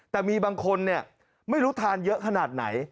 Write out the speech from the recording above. แต่มีบางคนไม่รู้ทานเยอะขนาดไหน